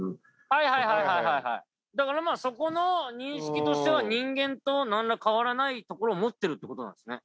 はいはいはいはいはいだからまあそこの認識としては人間と何ら変わらないところを持ってるってことなんですね